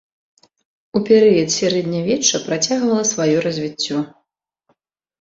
У перыяд сярэднявечча працягвала сваё развіццё.